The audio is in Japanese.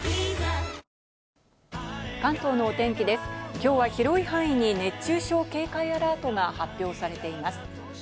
きょうは広い範囲に熱中症警戒アラートが発表されています。